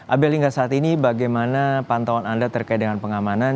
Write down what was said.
abel hingga saat ini bagaimana pantauan anda terkait dengan pengamanan